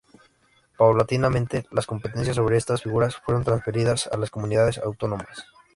Paulatinamente, las competencias sobre estas figuras fueron transferidas a las comunidades autónomas.